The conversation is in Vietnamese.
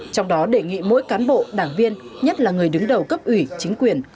trong đó đề nghị mỗi cán bộ đảng viên nhất là người đứng đầu cấp ủy chính quyền